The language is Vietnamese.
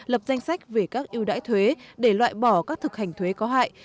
lập danh sách về các ưu đãi thuế để loại bỏ các thực hành thuế có hại